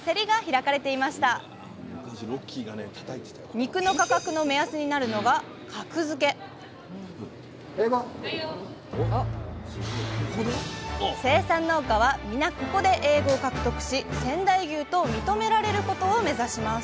肉の価格の目安になるのが生産農家は皆ここでＡ５を獲得し仙台牛と認められることを目指します